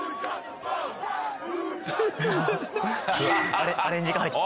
あれアレンジが入った。